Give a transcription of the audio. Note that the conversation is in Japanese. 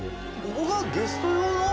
ここがゲスト用の？